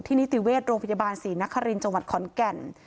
นิติเวชโรงพยาบาลศรีนครินทร์จังหวัดขอนแก่น